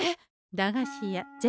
駄菓子屋銭